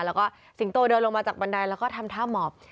แล้วก็สิงโตเดินลงมาจากบันไดแล้วก็ทำท่าหมอบ